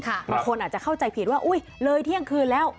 บางคนอาจจะเข้าใจผิดว่าอุ๊ยเลยเที่ยงคืนแล้ว